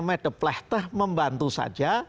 me de plehtah membantu saja